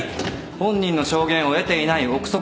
本人の証言を得ていない臆測です。